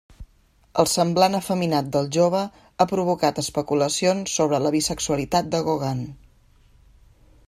El semblant efeminat del jove ha provocat especulacions sobre la bisexualitat de Gauguin.